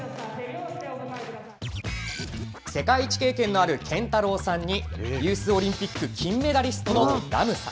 世界一経験のあるＫＥＮＴＡＲＡＷさんにユースオリンピック金メダリストのＲＡＭさん。